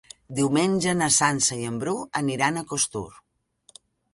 Diumenge na Sança i en Bru aniran a Costur.